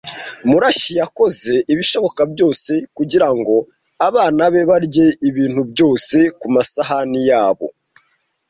Murashyi yakoze ibishoboka byose kugirango abana be barye ibintu byose ku masahani yabo.